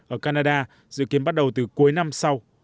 ở canada dự kiến bắt đầu từ cuối năm sau